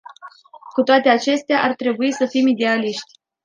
Cu toate acestea, ar trebui să fim idealiști.